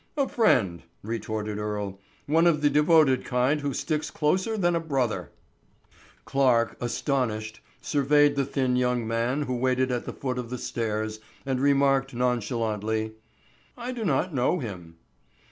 "A friend," retorted Earle, "one of the devoted kind who sticks closer than a brother." Clarke, astonished, surveyed the thin young man who waited at the foot of the stairs and remarked nonchalantly, "I do not know him."